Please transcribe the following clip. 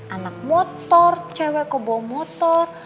anak motor cewek yang bawa motor